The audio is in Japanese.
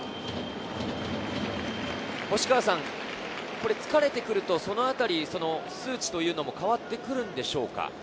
星川さん、疲れてくると、そのあたり数値も変わってくるんでしょうか？